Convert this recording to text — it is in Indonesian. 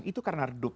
itu karena redup